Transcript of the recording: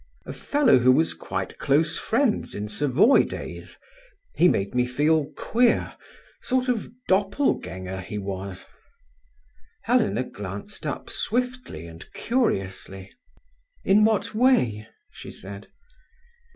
"A fellow who was quite close friends in Savoy days; he made me feel queer sort of Doppelgänger, he was." Helena glanced up swiftly and curiously. "In what way?" she said.